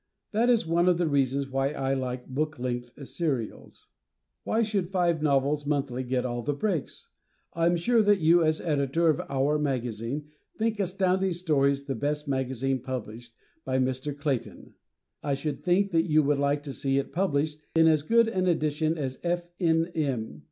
That is one of the reasons why I like book length serials. Why should Five Novels Monthly get all the breaks? I am sure that you as the Editor of "our" magazine think Astounding Stories the best magazine published by Mr. Clayton. I should think that you would like to see it published in as good an edition as F. N. M.